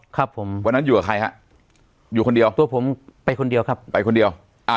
ครับผมวันนั้นอยู่กับใครฮะอยู่คนเดียวตัวผมไปคนเดียวครับไปคนเดียวอ่า